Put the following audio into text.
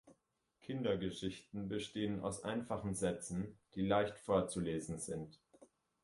Kindergeschichten bestehen aus einfachen Sätzen, die leicht vorzulesen sind.